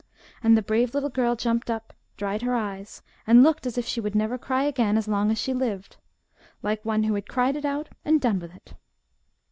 And the brave little girl jumped up, dried her eyes, and looked as if she would never cry again as long as she lived like one who had cried it out and done with it.